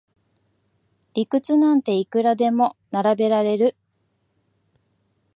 理屈なんていくらでも並べられる